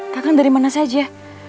kakang dari mana saja